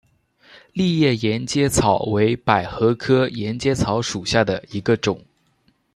丽叶沿阶草为百合科沿阶草属下的一个种。